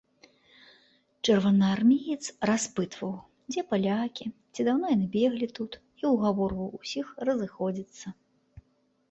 Чырвонаармеец распытваў, дзе палякі і ці даўно яны беглі тут, і ўгаварваў усіх разыходзіцца.